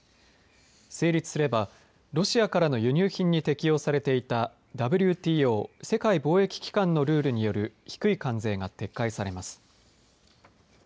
成立すればロシアからの輸入品に適用されていたＷＴＯ世界貿易機関のルールによる低い関税が撤回されます。